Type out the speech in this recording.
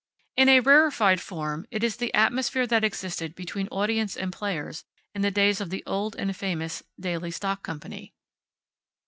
In a rarefied form, it is the atmosphere that existed between audience and players in the days of the old and famous Daly stock company.